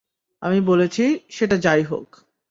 আমি বলেছি, সেটা যাই হোক।